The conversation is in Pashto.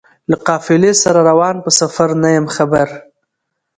له قافلې سره روان په سفر نه یم خبر